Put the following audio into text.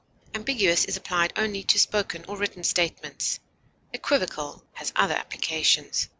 Ambiguous is applied only to spoken or written statements; equivocal has other applications.